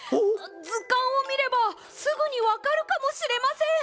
ずかんをみればすぐにわかるかもしれません！